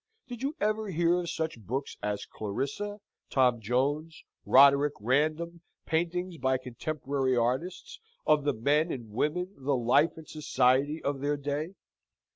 Did you ever hear of such books as Clarissa, Tom Jones, Roderick Random; paintings by contemporary artists, of the men and women, the life and society, of their day?